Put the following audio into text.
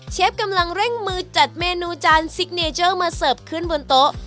กำลังเร่งมือจัดเมนูจานซิกเนเจอร์มาเสิร์ฟขึ้นบนโต๊ะ